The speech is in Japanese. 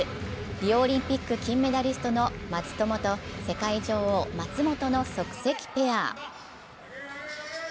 リオオリンピック金メダリストの松友と世界女王、松本の即席ペア。